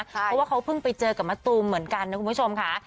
เพราะว่าเขาเพิ่งไปเจอกับมะตูมเหมือนกันนะคุณผู้ชมค่ะ